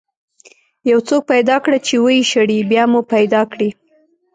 یو څوک پیدا کړه چې ويې شړي، بیا به مو پیدا کړي.